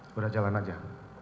sudah jalan aja